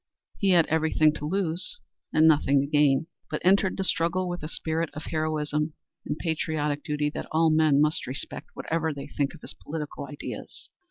He had everything to lose and nothing to gain, but entered the struggle with a spirit of heroism and patriotic duty that all men must respect, whatever they think of his political ideas.